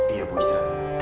iya bu istri